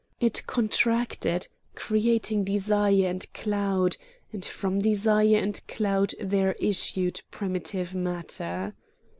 It contracted, creating Desire and Cloud, and from Desire and Cloud there issued primitive Matter.